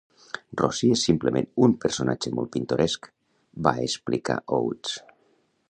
"Rosie és simplement un personatge molt pintoresc", va explicar Oates.